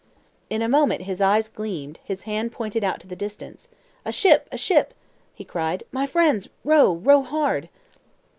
In a moment his eyes gleamed, his hand pointed out into the distance. "A ship! a ship!" he cried. "My friends, row! row hard!"